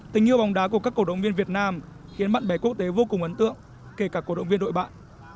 tình yêu bóng đá của các cổ động viên việt nam khiến bạn bè quốc tế vô cùng ấn tượng kể cả cổ động viên đội bạn